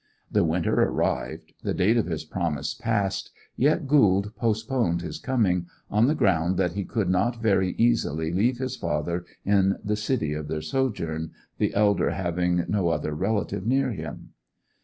The winter arrived, the date of his promise passed, yet Gould postponed his coming, on the ground that he could not very easily leave his father in the city of their sojourn, the elder having no other relative near him.